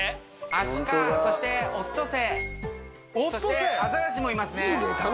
アシカそしてオットセイそしてアザラシもいますね。